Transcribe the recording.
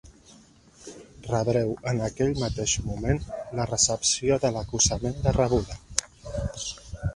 Rebreu en aquell mateix moment la recepció de l'acusament de rebuda.